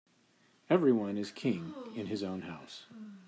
Every one is king in his own house.